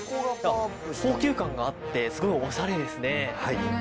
高級感があってすごいオシャレですね。